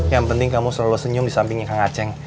yang penting kamu selalu senyum di sampingnya kang aceh